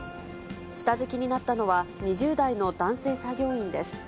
下敷きになったのは、２０代の男性作業員です。